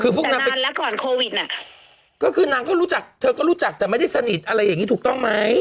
คือพวกนางเป็นแล้วก่อนโควิดอ่ะก็คือนางก็รู้จักเธอก็รู้จักแต่ไม่ได้สนิทอะไรอย่างนี้ถูกต้องไหม